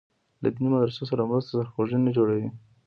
له دیني مدرسو سره مرسته سرخوږی نه جوړوي.